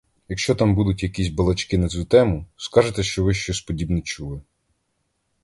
Якщо там будуть якісь балачки на цю тему, скажете, що ви щось подібне чули.